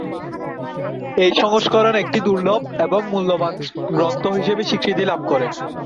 এই সংস্করণ একটি দুর্লভ এবং মূল্যবান গ্রন্থ হিসেবে স্বীকৃতি লাভ করে।